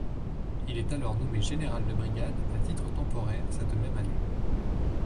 Il est alors nommé général de brigade à titre temporaire cette même année.